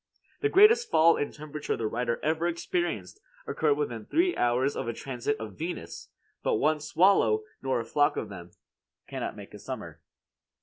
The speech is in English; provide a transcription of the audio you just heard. The greatest fall in temperature the writer ever experienced occurred within three hours of a transit of Venus; but one swallow nor a flock of them cannot make a summer.